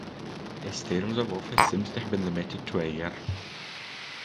His term of office seems to have been limited to a year.